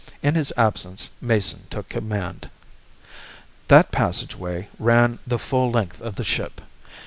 In his absence Mason took command. That passageway ran the full length of the ship.